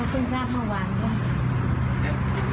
เราก็เพิ่งทราบเมื่อวานด้วย